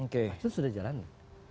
fatsun sudah dijalani